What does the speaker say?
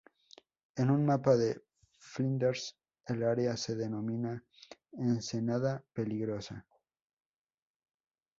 En un mapa de Flinders el área se denomina "Ensenada Peligrosa".